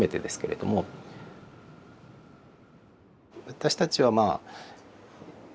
私たちはまあ